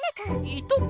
いとこ？